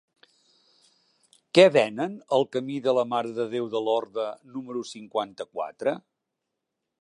Què venen al camí de la Mare de Déu de Lorda número cinquanta-quatre?